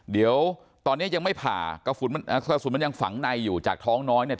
เดี๋ยวตอนนี้ยังไม่ผ่ากระสุนมันกระสุนมันยังฝังในอยู่จากท้องน้อยเนี่ย